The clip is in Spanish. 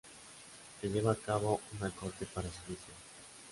Se llevo a cabo una corte para su juicio.